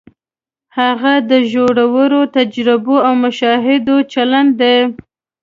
هغه د ژورو تجربو او مشاهدو چلن دی.